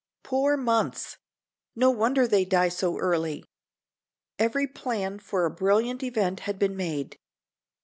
Poor Months! No wonder they die so early! Every plan for a brilliant event had been made.